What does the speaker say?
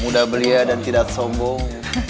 mudah belia dan tidak sombong